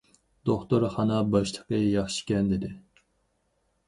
دوختۇرخانا باشلىقى« ياخشىكەن» دېدى.